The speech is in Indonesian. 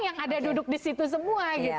yang ada duduk di situ semua